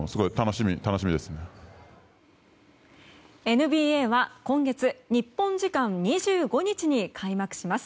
ＮＢＡは今月日本時間２５日に開幕します。